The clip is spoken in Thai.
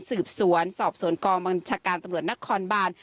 สืบสวนสอบสวนกองบัญชาการตำรวจนครบาน